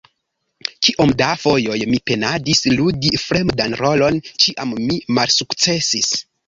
Kiom da fojoj mi penadis ludi fremdan rolon, ĉiam mi malsukcesis.